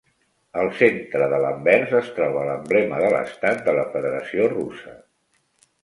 Al centre de l'anvers es troba l'emblema de l'estat de la Federació Russa.